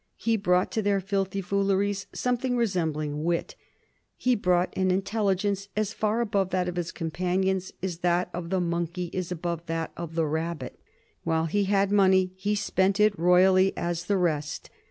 He brought to their filthy fooleries something resembling wit; he brought an intelligence as far above that of his companions as that of the monkey is above that of the rabbit. While he had money he spent it as royally as the rest.